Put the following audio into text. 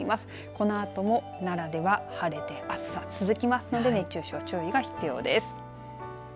このあとも奈良では晴れて暑さ続きますので熱中症、注意が必要です。